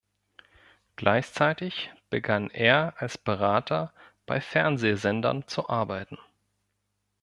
Gleichzeitig begann er als Berater bei Fernsehsendern zu arbeiten.